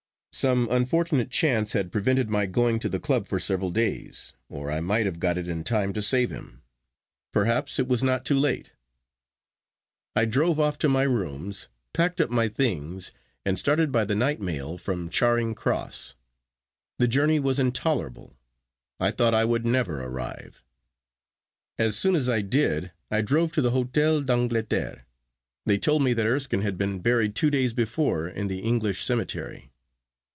Some unfortunate chance had prevented my going to the club for several days, or I might have got it in time to save him. Perhaps it was not too late. I drove off to my rooms, packed up my things, and started by the night mail from Charing Cross. The journey was intolerable. I thought I would never arrive. As soon as I did I drove to the Hôtel l'Angleterre. They told me that Erskine had been buried two days before in the English cemetery.